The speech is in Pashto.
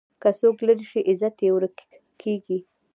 که څوک لرې شي، عزت یې ورک کېږي.